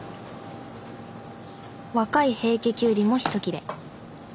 若い平家キュウリもひと切れ。